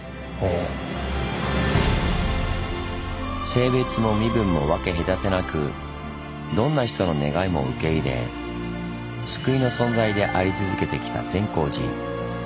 性別も身分も分け隔てなくどんな人の願いも受け入れ救いの存在であり続けてきた善光寺。